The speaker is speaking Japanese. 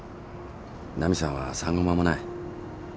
奈美さんは産後間もない。